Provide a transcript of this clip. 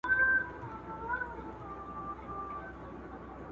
دا n د ټولو لپاره وړیا دی.